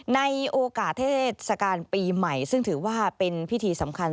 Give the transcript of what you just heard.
ในโอกาสเทศกาลปีใหม่ซึ่งถือว่าเป็นพิธีสำคัญ